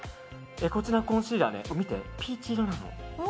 こちらのコンシーラーピーチ色なの。